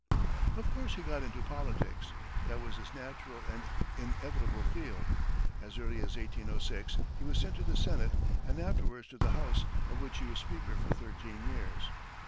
Of course he got into politics. That was his natural and inevitable field. As early as 1806 he was sent to the Senate, and afterwards to the House, of which he was speaker for thirteen years.